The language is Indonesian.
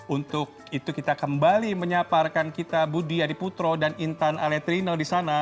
untuk itu kita kembali menyaparkan kita budi adiputro dan intan aletrino di sana